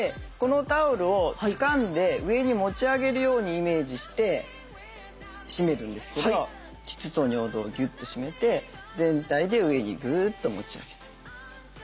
このタオルをつかんで上に持ち上げるようにイメージして締めるんですけど膣と尿道をギュッと締めて全体で上にグーッと持ち上げて。